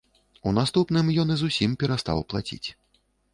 У наступным ён і зусім перастаў плаціць.